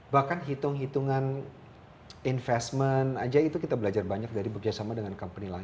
bahkan hitung hitungan investment aja itu kita belajar banyak dari bekerjasama dengan company lain